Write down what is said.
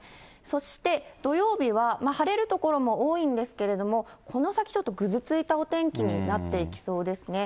そして土曜日は晴れる所も多いんですけれども、この先ちょっとぐずついたお天気になっていきそうですね。